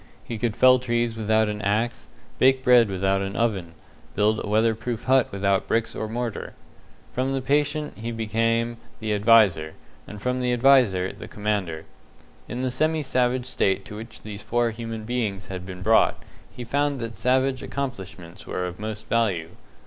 He could fell trees without an axe, bake bread without an oven, build a weatherproof hut without bricks or mortar. From the patient he became the adviser; and from the adviser, the commander. In the semi savage state to which these four human beings had been brought, he found that savage accomplishments were of most value.